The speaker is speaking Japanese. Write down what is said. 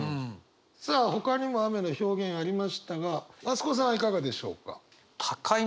さあほかにも雨の表現ありましたが増子さんはいかがでしょうか？